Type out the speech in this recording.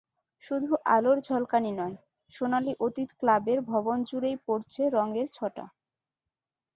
শুধু আলোর ঝলকানি নয়, সোনালি অতীত ক্লাবের ভবনজুড়েই পড়ছে রঙের ছটা।